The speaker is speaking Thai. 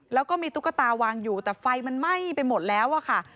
แล้วก็มีตุ๊กตาวางอยู่แต่ไฟมันไหม้ไปหมดแล้วอะค่ะ